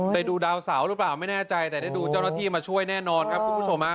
ดูดาวเสาหรือเปล่าไม่แน่ใจแต่ได้ดูเจ้าหน้าที่มาช่วยแน่นอนครับคุณผู้ชมฮะ